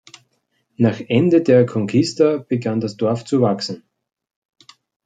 Nach Ende der Conquista begann das Dorf zu wachsen.